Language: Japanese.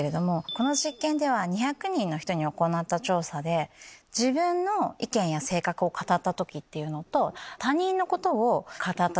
この実験では２００人の人に行った調査で自分の意見や性格を語った時と他人のことを語った時。